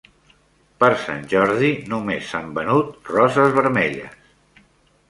Per Sant Jordi només s'han venut roses vermelles